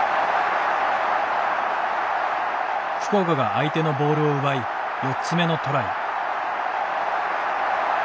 福岡が相手のボールを奪い４つ目のトライ。